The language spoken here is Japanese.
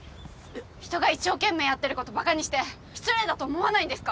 人が一生懸命やってることバカにして失礼だと思わないんですか？